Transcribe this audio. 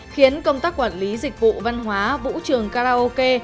khiến công tác quản lý dịch vụ văn hóa vũ trường karaoke